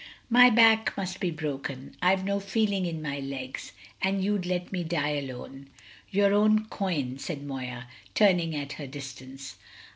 "My back must be broken I've no feeling in my legs. And you'd let me die alone!" "Your own coin," said Moya, turning at her distance.